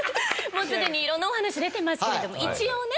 もうすでに色んなお話出てますけれども一応ね